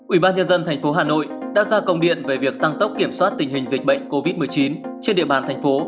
ubnd tp hà nội đã ra công điện về việc tăng tốc kiểm soát tình hình dịch bệnh covid một mươi chín trên địa bàn thành phố